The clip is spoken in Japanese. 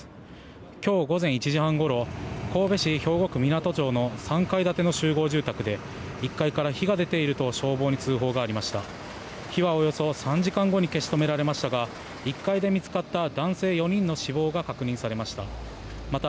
今日午前１時半ごろ神戸市兵庫区湊町の３階建ての集合住宅で１階から火が出ていると消防に通報がありました。